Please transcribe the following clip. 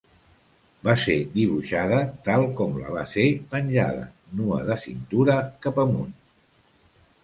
Va ser dibuixada tal com la va ser penjada: nua de cintura cap amunt.